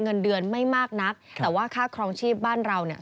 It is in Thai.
เงินเดือนไม่มากนักแต่ว่าค่าครองชีพบ้านเราเนี่ย